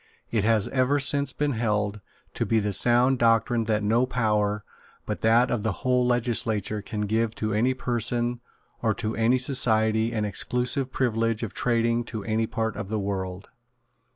It has ever since been held to be the sound doctrine that no power but that of the whole legislature can give to any person or to any society an exclusive privilege of trading to any part of the world.